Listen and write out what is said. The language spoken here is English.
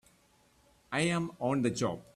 I'm on the job!